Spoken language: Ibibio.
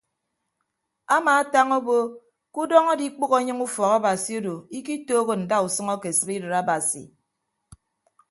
Amaatañ obo ke udọñ adikpʌghọ anyịñ ufọk abasi odo ikitooho ndausʌñ ake sibidịt abasi.